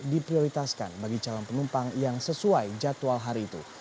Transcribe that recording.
diprioritaskan bagi calon penumpang yang sesuai jadwal hari itu